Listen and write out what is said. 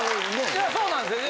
いやそうなんですよね。